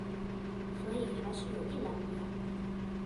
所以還是有一覽表